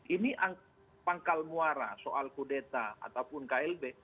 ini pangkal muara soal kudeta ataupun klb